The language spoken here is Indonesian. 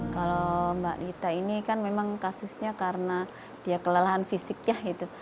kalau mbak nurita ini kan memang kasusnya karena dia kelelahan fisiknya gitu